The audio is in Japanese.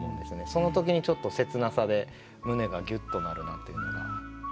その時にちょっと切なさで胸がギュッとなるなというのが。